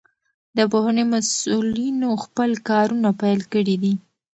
د پوهنې مسئولينو خپل کارونه پيل کړي دي.